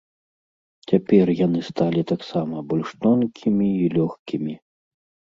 Цяпер яны сталі таксама больш тонкімі і лёгкімі.